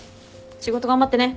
仕事頑張ってね。